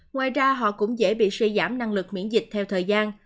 ngoài ra họ cũng dễ bị suy giảm năng lực miễn dịch theo thời gian